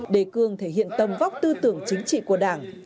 đề cương thể hiện tầm vóc tư tưởng chính trị của đảng